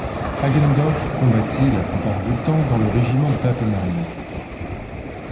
Hagendorf combattit, la plupart du temps, dans le régiment de Pappenheim.